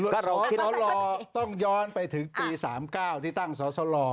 ก็เราคิดว่าสสรต้องย้อนไปถึงปี๓๙ที่ตั้งสสร